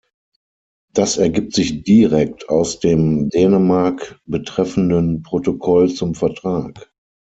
Das ergibt sich direkt aus dem Dänemark betreffenden Protokoll zum Vertrag.